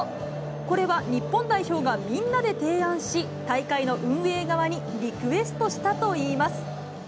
これは日本代表がみんなで提案し、大会の運営側にリクエストしたといいます。